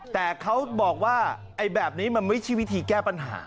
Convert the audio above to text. แต่เขาบอกว่าแบบนี้มันไม่ใช่วิธีแก้ปัญหา